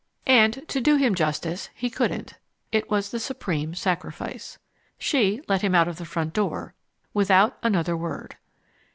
And, to do him justice, he couldn't. It was the supreme sacrifice. She let him out of the front door without another word.